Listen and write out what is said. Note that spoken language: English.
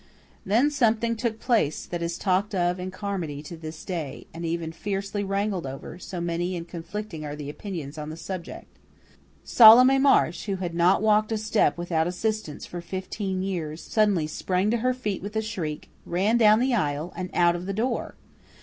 Then something took place that is talked of in Carmody to this day, and even fiercely wrangled over, so many and conflicting are the opinions on the subject. Salome Marsh, who had not walked a step without assistance for fifteen years, suddenly sprang to her feet with a shriek, ran down the aisle, and out of the door!